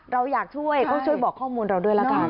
เราอยากช่วยก็ช่วยบอกข้อมูลเราด้วยละกัน